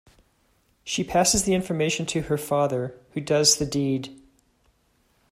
She passes the information to her father, who does the deed.